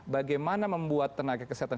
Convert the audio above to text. bagaimana membuat tenaga kesehatan kita lebih baik